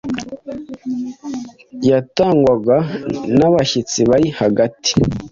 yatangwaga n’abashyitsi bari hagati